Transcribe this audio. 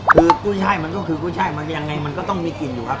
คือกุ้ยช่ายมันก็คือกุ้ยช่ายมันยังไงมันก็ต้องมีกลิ่นอยู่ครับ